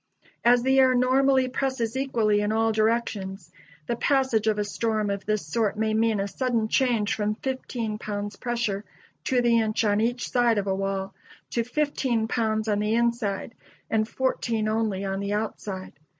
As the air normally presses equally in all directions, the passage of a storm of this sort may mean a sudden change from fifteen pounds pressure to the inch on each side of a wall, to fifteen pounds on the inside and fourteen only on the outside.